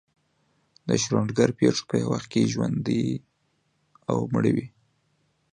د شروډنګر پیشو په یو وخت کې ژوندۍ او مړه وي.